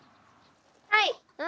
はい。